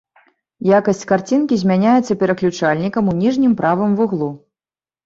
Якасць карцінкі змяняецца пераключальнікам у ніжнім правым вуглу.